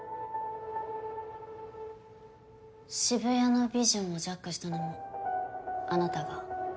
渋谷のビジョンをジャックしたのもあなたが？